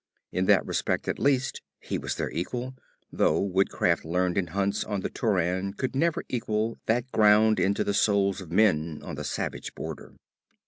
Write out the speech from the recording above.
In that respect at least he was their equal, though woodcraft learned in hunts on the Tauran could never equal that ground into the souls of men on the savage border.